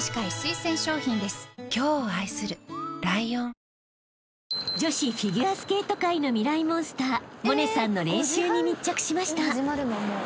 ハブラシは薄さで選ぼう［女子フィギュアスケート界のミライ☆モンスター百音さんの練習に密着しました］